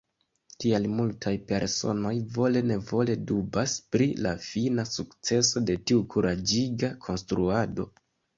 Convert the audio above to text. Tial multaj personoj vole-nevole dubas pri la fina sukceso de tiu kuraĝiga konstruado.